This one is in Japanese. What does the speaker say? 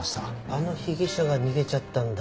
あの被疑者が逃げちゃったんだ。